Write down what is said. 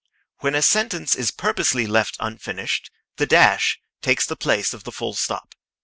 When a sentence is purposely left unfinished, the dash takes the place of the full stop.